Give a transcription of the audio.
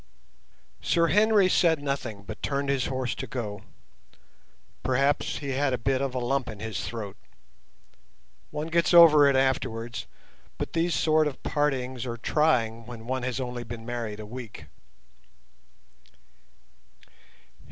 Sir Henry said nothing, but turned his horse to go; perhaps he had a bit of a lump in his throat. One gets over it afterwards, but these sort of partings are trying when one has only been married a week.